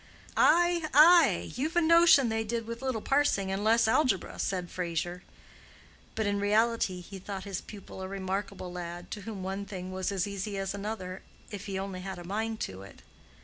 "Ay, ay; you've a notion they did with little parsing, and less algebra," said Fraser. But in reality he thought his pupil a remarkable lad, to whom one thing was as easy as another, if he had only a mind to it.